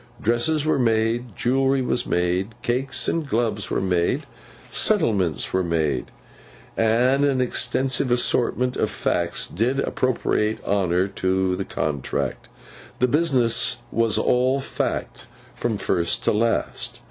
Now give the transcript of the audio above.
Dresses were made, jewellery was made, cakes and gloves were made, settlements were made, and an extensive assortment of Facts did appropriate honour to the contract. The business was all Fact, from first to last.